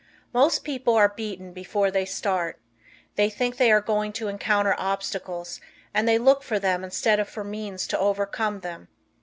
Most people are beaten before they start. They think they are going to encounter obstacles, and they look for them instead of for means to overcome them.